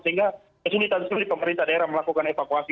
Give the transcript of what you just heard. sehingga kesulitan sulit pemerintah daerah melakukan evakuasi